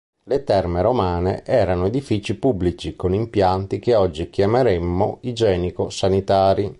Le terme romane erano edifici pubblici con impianti che oggi chiameremmo igienico-sanitari.